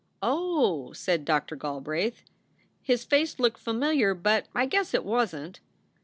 " Oh !" said Doctor Galbraith. "His face looked familiar; but I guess it wasn t."